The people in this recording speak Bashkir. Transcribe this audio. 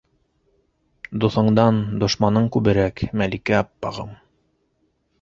- Дуҫыңдан дошманың күберәк, Мәликә аппағым...